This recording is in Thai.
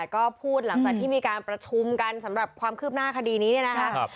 ก็พูดหลังจากที่มีการประชุมกันสำหรับความคืบหน้าคดีนี้เนี่ยนะครับ